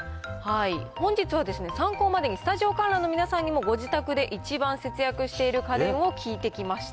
本日は参考までに、スタジオ観覧の皆さんにも、ご自宅で一番節約している家電を聞いてきました。